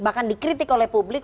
bahkan dikritik oleh publik